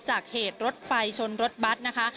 เหตุรถไฟชนรถบัตรนะคะ